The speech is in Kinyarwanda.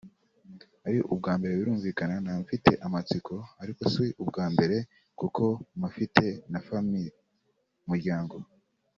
ari ubwa mbere birumvikana naba mfite amatsiko ariko si ubwa mbere kuko mpafite na Family (umuryango)